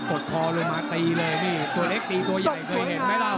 ดคอเลยมาตีเลยนี่ตัวเล็กตีตัวใหญ่เคยเห็นไหมล่ะ